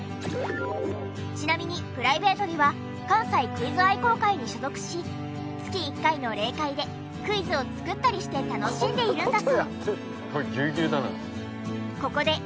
ちなみにプライベートでは関西クイズ愛好会に所属し月１回の例会でクイズを作ったりして楽しんでいるんだそう。